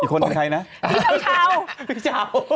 ดีคนนั้นใครนะพี่เจ้า